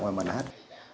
về mình hết